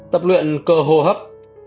tập luyện cơ hô hấp